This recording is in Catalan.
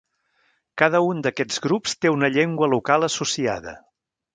Cada un d'aquests grups té una llengua local associada.